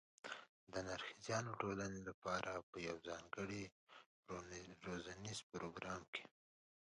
د نرښځیانو ټولنې لپاره په یوه ځانګړي روزنیز پروګرام کې